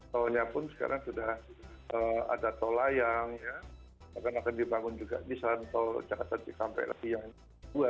tolnya pun sekarang sudah ada tol layang akan dibangun juga di saluran tol jakarta sampai yang kedua